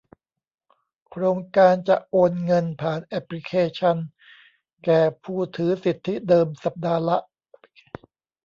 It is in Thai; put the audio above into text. โครงการจะโอนเงินผ่านแอปพลิเคชัน แก่ผู้ถือสิทธิเดิม สัปดาห์ละ